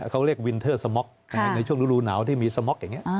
เขาเรียกวินเทอร์สม็อกในช่วงฤดูหนาวที่มีสม็อกอย่างนี้